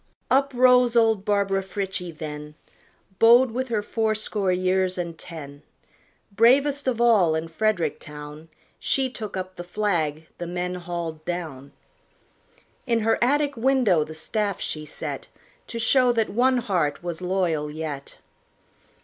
Up rose old Barbara Frietchie then, Bowed with her fourscore years and ten; Bravest of all in Frederick town, She took up the flag the men hauled down; In her attic window the staff she set, To show that one heart was loyal yet.